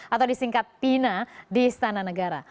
atau disingkat pina di istana negara